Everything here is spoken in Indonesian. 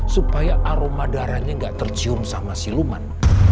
supaya aroma darahnya nggak tercium sama siluman